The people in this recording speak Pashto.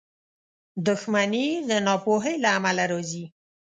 • دښمني د ناپوهۍ له امله راځي.